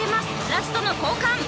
ラストの交換。